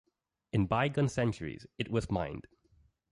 In bygone centuries it was mined.